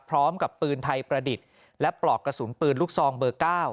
พร้อมกับปืนไทยประดิษฐ์และปลอกกระสุนปืนลูกซองเบอร์๙